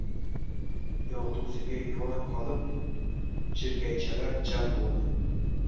Yog‘dusiga yor qolib, chirkaychalar jam bo‘ldi.